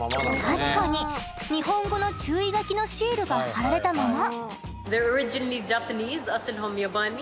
確かに日本語の注意書きのシールが貼られたまま。